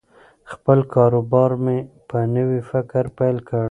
خپل کاروبار مې په نوي فکر پیل کړ.